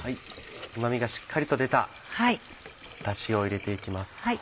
うま味がしっかりと出たダシを入れて行きます。